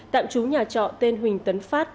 tạm trú nhà trọ tên huỳnh tấn phát